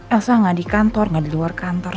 elsa gak di kantor gak di luar kantor